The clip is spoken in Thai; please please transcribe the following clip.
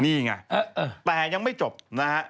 นี่ไงแต่ยังไม่จบนะฮะ